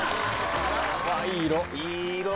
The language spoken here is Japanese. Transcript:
いい色。